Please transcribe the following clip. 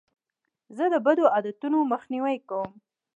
زه د بدو عادتو مخنیوی کوم.